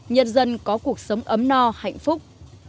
nhân dân có cuộc sống ấm no hạnh phúc